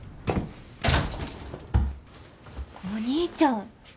お兄ちゃん。